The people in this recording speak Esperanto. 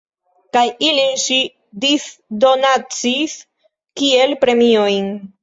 Kaj ilin ŝi disdonacis kiel premiojn.